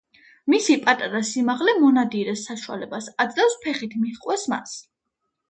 მისი პატარა სიმაღლე მონადირეს საშუალებას აძლევს ფეხით მიჰყვეს მას.